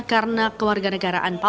karena keluarga mereka tidak berangkat